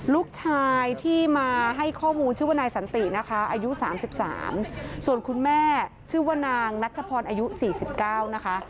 ลูกชายที่มาให้ข้อมูลชื่อว่านายสันตินะคะอายุ๓๓ส่วนคุณแม่ชื่อว่านางนัชพรอายุ๔๙นะคะ